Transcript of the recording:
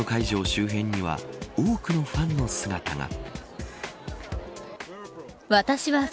周辺には多くのファンの姿が。